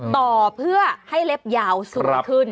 ต่อเพื่อให้เล็บยาวสวยขึ้น